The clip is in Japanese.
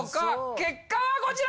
結果はこちら！